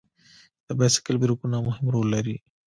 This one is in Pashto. د بایسکل بریکونه مهم رول لري.